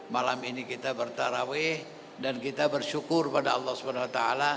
malam ini kita bertaraweh dan kita bersyukur pada allah swt